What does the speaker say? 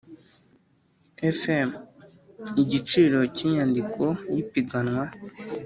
Fm Igiciro cy inyandiko y ipiganwa